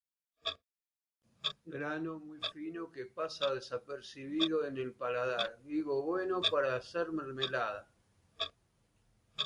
Grano muy fino que pasa desapercibido en el paladar, higo bueno para hacer mermelada.